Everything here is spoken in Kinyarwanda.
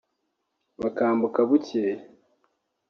bakambuka bucyeye